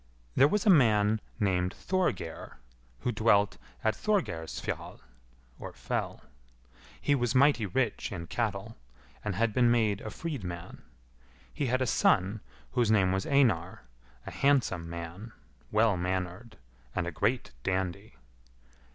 There was a man named Thorgeir, who dwelt at Thorgeirsfjall (fell). He was mighty rich in cattle, and had been made a freedman. He had a son, whose name was Einar, a handsome man, well mannered, and a great dandy.